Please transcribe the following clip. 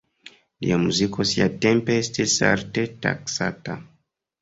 Lia muziko siatempe estis alte taksata.